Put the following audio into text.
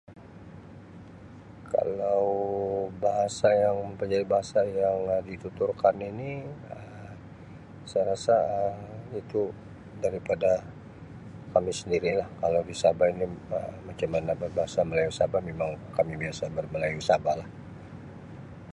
Kalau bahasa yang mempelajari bahasa yang dituturkan ini Um saya rasa Um itu daripada kami sendiri lah, kalau di Sabah ini Um macam mana sebab bahasa melayu Sabah kami punya standard melayu Sabah lah.